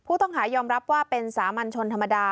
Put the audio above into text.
ผู้ต้องหายอมรับว่าเป็นสามัญชนธรรมดา